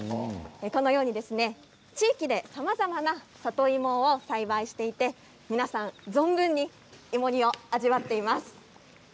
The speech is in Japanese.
このように地域でさまざまな里芋を栽培していて皆さん存分に芋煮を味わっています。